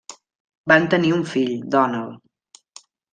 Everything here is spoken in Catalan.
Van tenir un fill, Donald.